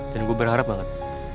dan gue berharap banget